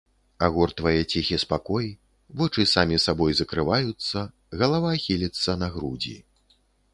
Агортвае ціхі спакой, вочы самі сабой закрываюцца, галава хіліцца на грудзі.